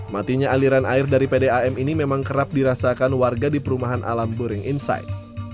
matinya aliran air dari pdam ini memang kerap dirasakan warga di perumahan alam boring insight